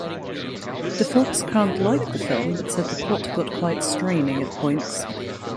De Volkskrant liked the film but said the plot got quite straining at points.